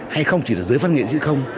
hay không chỉ là giới văn nghệ gì cũng không